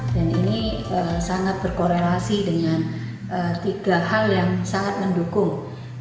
dan ini sangat berkorelasi dengan tiga hal yang sangat mendukung